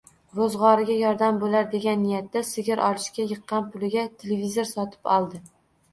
Roʻzgʻoriga yordam boʻlar degan niyatda sigir olishga yiqqan puliga televizor sotib oldi.